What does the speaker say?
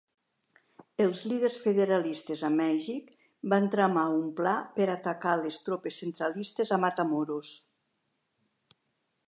Els líders federalistes a Mèxic van tramar un pla per atacar les tropes centralistes a Matamoros.